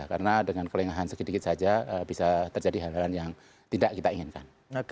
karena dengan kelingahan sedikit sedikit saja bisa terjadi hal hal yang tidak kita inginkan